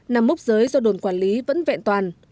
nằm mốc giới do đồn quản lý vẫn vẹn toàn